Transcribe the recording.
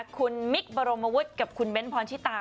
คุณมิ๊กบรมวุชด์กับคุณเบนส์พอลชิตา